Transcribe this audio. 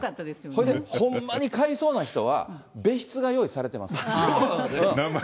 ほんまに買いそうな人は、別室が用意されてます。